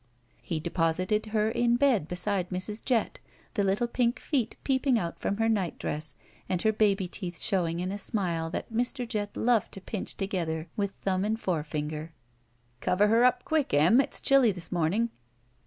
He deposited her in bed beside Mrs. Jett, the little pink feet peeping out from her nightdress and her baby teeth showing in a smile that Mr. Jett loved to pinch together with thumb and forefinger. ''Cover her up quick, Em, it's chilly this morning."